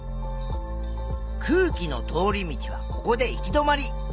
空気の通り道はここで行き止まり。